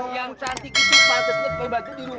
yang cantik itu pantes lo pembantu di rumah